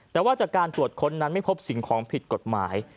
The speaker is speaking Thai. แต่ว่าจากการตรวจค้นนั้นไม่พบสิ่งของผิดกฎหมาย